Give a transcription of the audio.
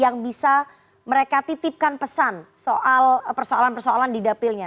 yang bisa mereka titipkan pesan soal persoalan persoalan di dapilnya